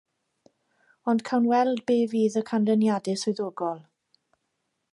Ond cawn weld be fydd y canlyniadau swyddogol.